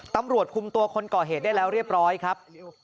ตำรวจคุมตัวคนก่อเหตุได้แล้วเรียบร้อยครับ